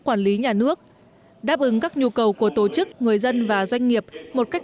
quản lý nhà nước đáp ứng các nhu cầu của tổ chức người dân và doanh nghiệp một cách